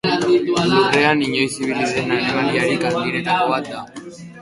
Lurrean inoiz ibili den animaliarik handienetako bat da.